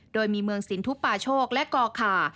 โดยมีเมืองสินทุปาโชคและกขา